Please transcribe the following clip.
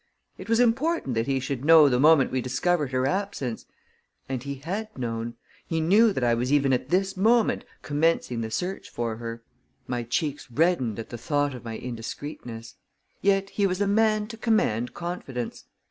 It was important that he should know the moment we discovered her absence. And he had known; he knew that I was even at this moment commencing the search for her. My cheeks reddened at the thought of my indiscreetness; yet he was a man to command confidence.